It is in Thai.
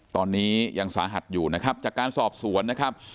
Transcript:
ตอนนี้ยังสาหัสอยู่นะครับจากการสอบสวนนะครับ